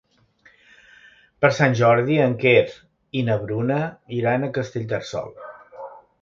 Per Sant Jordi en Quer i na Bruna iran a Castellterçol.